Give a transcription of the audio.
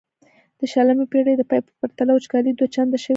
د شلمې پیړۍ د پای په پرتله وچکالي دوه چنده شوې ده.